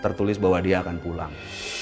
tertulis bahwa dia akan pulang